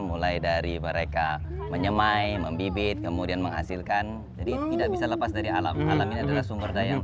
mulai dari mereka menyemai membibit kemudian menghasilkan jadi tidak bisa lepas dari alam alam